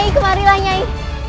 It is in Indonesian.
nyai kemarilah nyai